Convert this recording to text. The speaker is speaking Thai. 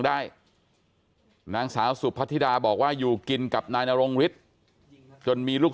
ได้นางสาวสุพธิดาบอกว่าอยู่กินกับนายนรงฤทธิ์จนมีลูก